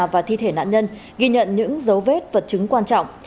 và thi thể nạn nhân ghi nhận những dấu vết vật chứng quan trọng